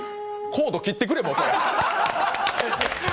コード切ってくれ、もうそれ。